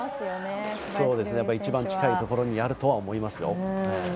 やっぱり一番近いところにあると思いますよ。